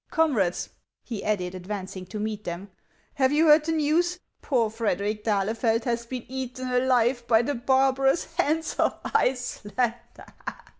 " Comrades," he added, advancing to meet them ;" have you heard the news ? Poor Frederic d'Ahlefeld has been eaten alive by the barbarous Hans of Iceland."